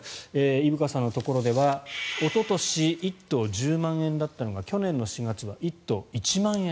伊深さんのところではおととし１頭１０万円だったのが去年の４月は１頭１万円。